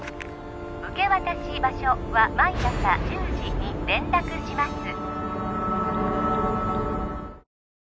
受け渡し場所は毎朝１０時に連絡します